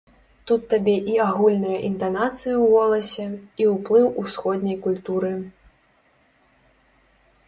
Тут табе і агульныя інтанацыі ў голасе, і ўплыў усходняй культуры.